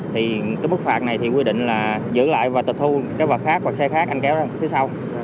thì cái mức phạt này thì quy định là giữ lại và tịch thu cái vật khác bằng xe khác anh kéo ra phía sau